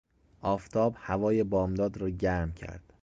آفتاب هوای بامداد را گرم کرد.